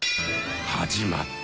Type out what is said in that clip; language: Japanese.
始まった。